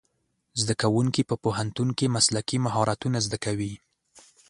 زدهکوونکي په پوهنتون کې مسلکي مهارتونه زده کوي.